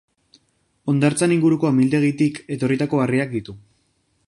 Hondartzan inguruko amildegitik etorritako harriak ditu.